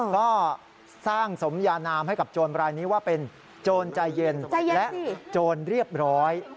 ก็สร้างสมยานามให้กับโจรรายนี้ว่าเป็นโจรใจเย็นและโจรเรียบร้อย